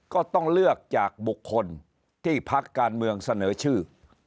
ก็ต้องเลือกจากบุคคลที่พักการเมืองเสนอชื่อ